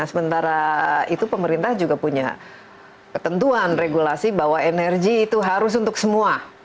sementara itu pemerintah juga punya ketentuan regulasi bahwa energi itu harus untuk semua